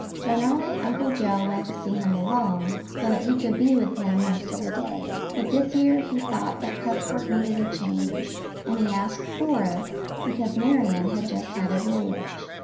Generally Uncle Joe went to see him alone, so that he could be with him most of the day; but this year he thought that Cuthbert needed a change, and he asked Doris, because Marian had just had a voyage.